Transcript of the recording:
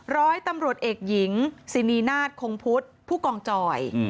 ร้อยตำรวจเอกหญิงสินีนาฏคงพุทธผู้กองจอย